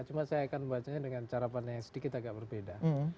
cuma saya akan bacanya dengan cara pandang yang sedikit agak berbeda